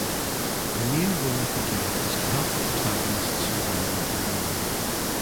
The main goal of the game is to help The Protagonist survive until dawn.